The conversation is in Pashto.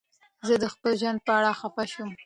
زه د خپل ژوند په اړه خفه شوم.